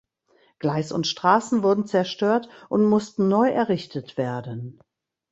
Gleis und Straßen wurden zerstört und mussten neu errichtet werden.